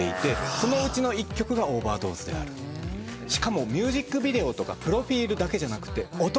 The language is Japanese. そのうちの１曲が『Ｏｖｅｒｄｏｓｅ』しかもミュージックビデオとかプロフィルだけじゃなくて音だけ。